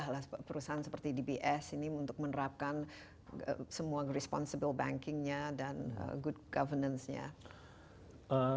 untuk mempermudah perusahaan seperti dbs untuk menerapkan semua responsibel banking dan governance yang baik